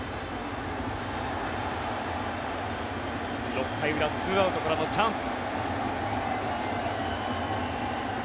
６回裏２アウトからのチャンス。